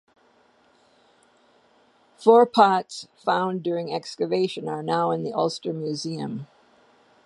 Four pots found during excavation are now in the Ulster Museum.